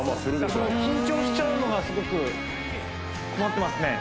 その緊張しちゃうのがすごく困ってますね